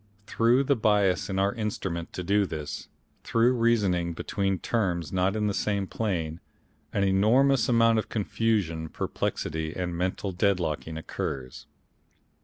Through the bias in our Instrument to do this, through reasoning between terms not in the same plane, an enormous amount of confusion, perplexity and mental deadlocking occurs.